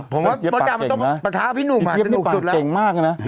ผมว่าบริการมันต้องปะท้าพี่หนูกว่าจะหนูกสุดแล้วพี่เกี๊ยบปากเก่งมากนะ